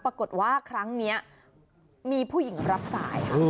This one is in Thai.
ปรากฏว่าครั้งนี้มีผู้หญิงรับสายค่ะ